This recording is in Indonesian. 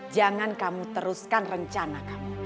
jangan kamu teruskan rencana kamu